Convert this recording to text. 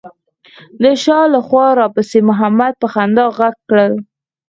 د شا له خوا راپسې محمد په خندا غږ کړل.